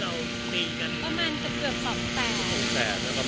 รวมมูลค่าเท่าไหร่ครับที่เรามีกัน